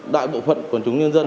đại bộ phận quần chúng nhân dân